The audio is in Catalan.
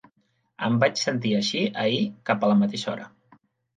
Em vaig sentir així ahir cap a la mateixa hora.